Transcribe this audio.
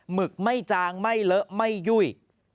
หึกไม่จางไม่เลอะไม่ยุ่ย